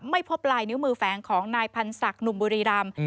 ไม่พบลายนิ้วมือแฝงของนายพันธ์ศักดิ์หนุ่มบุรีรำ